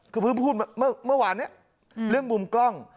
คือพูดเมื่อวานเรื่องมุมกล้อง